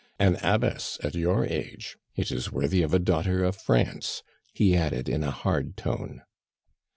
"An Abbess at your age! It is worthy of a Daughter of France," he added in a hard tone.